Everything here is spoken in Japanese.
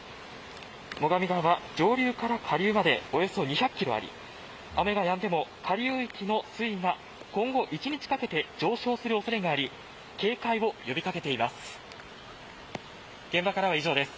最上川は上流から下流までおよそ２００キロあり雨がやんでも、下流域の水位が今後１日かけて上昇する恐れがあり警戒を呼び掛けています。